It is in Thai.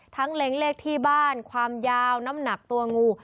เล้งเลขที่บ้านความยาวน้ำหนักตัวงู